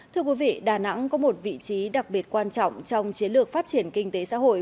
thưa quý vị đà nẵng có một vị trí đặc biệt quan trọng trong chiến lược phát triển kinh tế xã hội